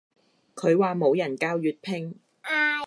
佢話冇人教粵拼